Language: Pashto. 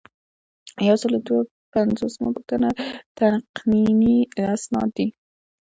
یو سل او دوه پنځوسمه پوښتنه تقنیني اسناد دي.